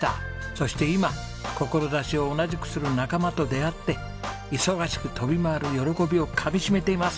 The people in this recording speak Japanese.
そして今志を同じくする仲間と出会って忙しく飛び回る喜びをかみしめています。